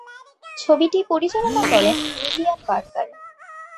ছবিটি পরিচালনা করেন উইলিয়াম বার্কার।